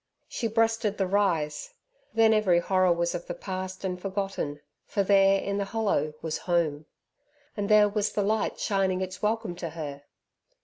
She breasted the rise. Then every horror was of the past and forgotten, for there in the hollow was home. And there was the light shining its welcome to her.